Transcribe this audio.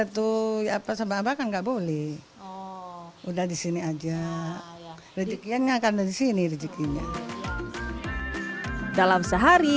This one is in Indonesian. itu ya pasang bahkan nggak boleh udah di sini aja rezeki hanya karena disini rezeki nya dalam sehari